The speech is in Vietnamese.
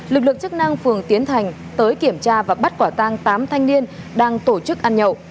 lực lượng chức năng phường tiến thành tới kiểm tra và bắt quả tang tám thanh niên đang tổ chức ăn nhậu